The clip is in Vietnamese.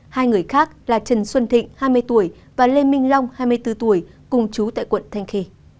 hai người khác là trần xuân thịnh hai mươi tuổi và lê minh long hai mươi bốn tuổi cùng chú tại quận thanh khê